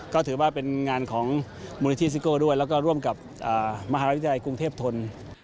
ก็ถือว่าเป็นงานของมูลนิธิซิโก้ด้วยแล้วก็ร่วมกับมหาวิทยาลัยกรุงเทพธน